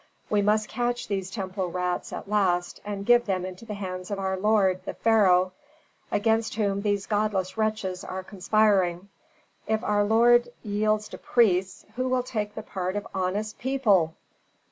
We must catch these temple rats at last and give them into the hands of our lord, the pharaoh, against whom these godless wretches are conspiring. If our lord yields to priests, who will take the part of honest people?"